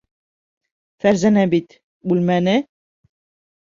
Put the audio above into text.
Фәрзәнә бит... үлмәне.